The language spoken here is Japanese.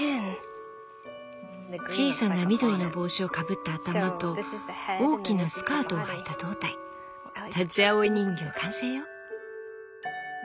小さな緑の帽子をかぶった頭と大きなスカートをはいた胴体タチアオイ人形完成よ。